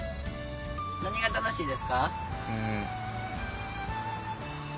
何が楽しいですか？